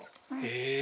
へえ！